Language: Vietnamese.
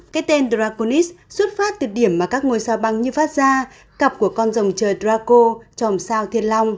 cái tên draconis xuất phát từ điểm mà các ngôi sao băng như phát ra cặp của con rồng trời draco tròm sao thiên long